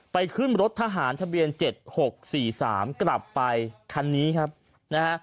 ขึ้นรถทหารทะเบียน๗๖๔๓กลับไปคันนี้ครับนะฮะ